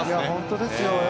本当ですよ。